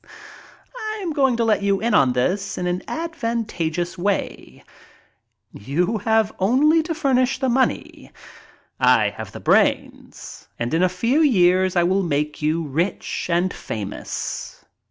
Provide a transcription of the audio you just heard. I am going to let you in on this in an advantageous way. You have only to furnish the money. I have the brains and in a few years I will make you rich and famous.